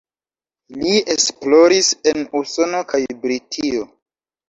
Li esploris en Usono kaj Britio.